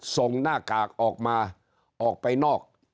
หน้ากากออกมาออกไปนอก